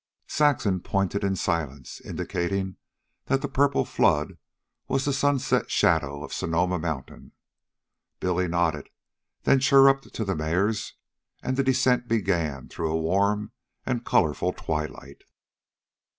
Saxon pointed in silence, indicating that the purple flood was the sunset shadow of Sonoma Mountain. Billy nodded, then chirruped to the mares, and the descent began through a warm and colorful twilight.